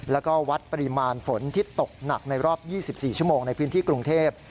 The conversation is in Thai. แล้วก็วัดปริมาณฝนที่ตกหนักในรอบ๒๔ชั่วโมงในพื้นที่กรุงเทพ